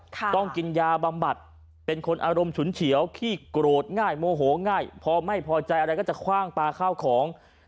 ต้องกินยาบำบัดเป็นคนอารมณ์ฉุนเฉียวขี้โกรธง่ายโมโหง่ายพอไม่พอใจอะไรก็จะคว่างปลาข้าวของ